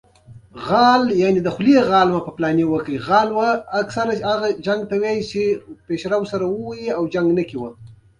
بامیان د افغانستان په ستراتیژیک اهمیت کې رول لري.